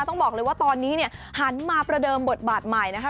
ต้องบอกเลยว่าตอนนี้เนี่ยหันมาประเดิมบทบาทใหม่นะคะ